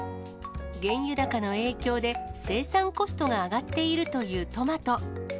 原油高の影響で、生産コストが上がっているというトマト。